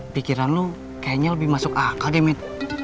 pikiran lu kayaknya lebih masuk akal deh med